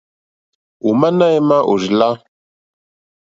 Ò má náɛ̌má ò rzá lā.